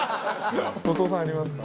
後藤さんありますか？